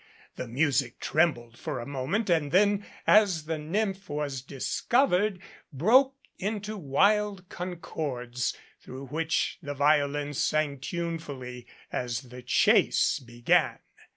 The music trembled for a moment and then, as the nymph was discovered, broke into wild concords through which the violins sang tunefully as the chase began.